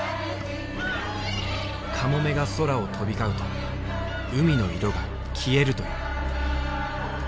「カモメが空を飛び交うと海の色が消える」という。